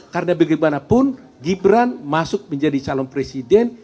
karena bagaimanapun gibran masuk menjadi calon presiden